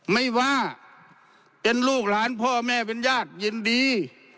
ไม่ว่าเป็นลูกหลานพ่อแม่เป็นญาติยินดี